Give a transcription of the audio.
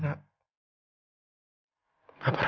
papa juga gak bisa tidur nak